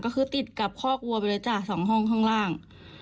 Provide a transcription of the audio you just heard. ก็คือติดกับคอกวัวไปเลยจ้ะ๒ห้องข้างล่าง